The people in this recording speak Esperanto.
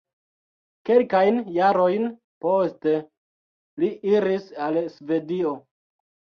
Kelkajn jarojn poste li iris al Svedio.